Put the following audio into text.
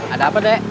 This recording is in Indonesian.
ada apa dek